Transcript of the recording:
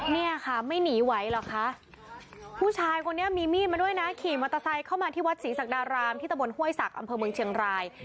เนี่ยค่ะไม่หนีไหวหรอกคะผู้ชายคนนี้มีมีดมาด้วยนะขี่มอเตอร์ไซค์เข้ามาที่วัดศรีศักดารามที่ตะบนห้วยศักดิ์อำเภอเมืองเชียงราย